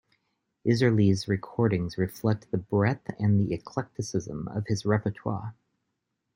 Isserlis's recordings reflect the breadth and eclecticism of his repertoire.